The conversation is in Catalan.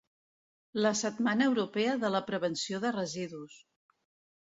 La Setmana Europea de la Prevenció de Residus.